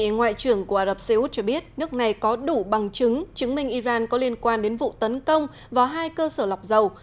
ngoại trưởng của ả rập xê út cho biết nước này có đủ bằng chứng chứng minh iran có liên quan đến vụ tấn công vào hai cơ sở lọc dầu